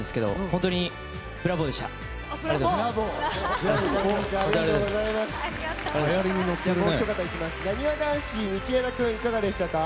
なにわ男子の道枝君いかがでしたか？